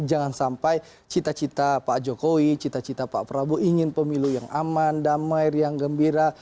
jangan sampai cita cita pak jokowi cita cita pak prabowo ingin pemilu yang aman damai yang gembira